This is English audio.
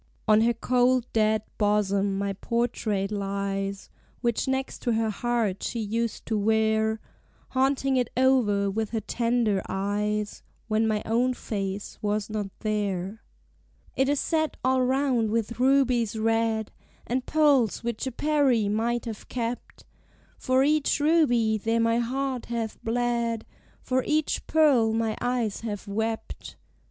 "On her cold dead bosom my portrait lies, Which next to her heart she used to wear Haunting it o'er with her tender eyes When my own face was not there. "It is set all round with rubies red, And pearls which a Peri, might have kept. For each ruby there my heart hath bled: For each pearl my eyes have wept."